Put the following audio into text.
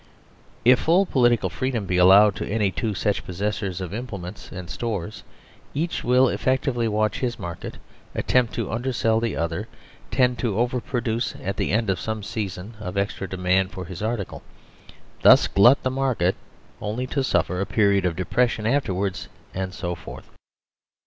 If full political freedom be allowed to any two such possessors of implements and stores, each will active ly watch his market, attempt to undersell the other, tend to overproduce at the end of some season of extra demand for his article, thus glut the market only to suffer a period of depression afterwards and so forth.